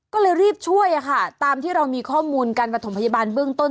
ก็เลยรีบช่วยอะค่ะตามที่เรามีข้อมูลการประถมพยาบาลเบื้องต้น